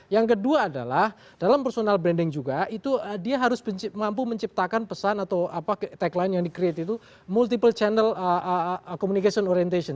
yang kedua adalah dalam personal branding juga itu dia harus mampu menciptakan pesan atau tagline yang di create itu multiple channel communication orientation